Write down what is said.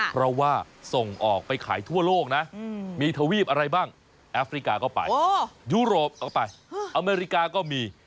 เพราะว่าส่งออกไปขายทั่วโลกนะมีทวีปอะไรบ้างแอฟริกาก็ไปยุโรปก็ไปอเมริกาก็มี